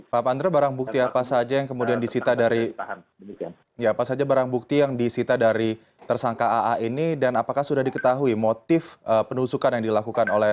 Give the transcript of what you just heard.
pak pandra barang bukti apa saja yang kemudian disita dari tersangka aa ini dan apakah sudah diketahui motif penusukan yang dilakukan oleh